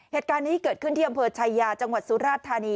เหตุการณ์นี้เกิดขึ้นที่อำเภอชายาจังหวัดสุราชธานี